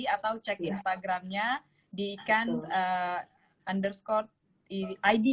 atau cek instagramnya di yikan forward id